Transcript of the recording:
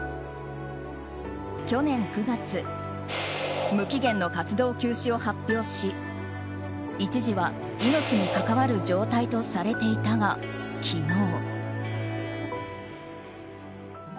去年９月無期限の活動休止を発表し一時は命に関わる状態とされていたが、昨日。